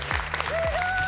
すごい！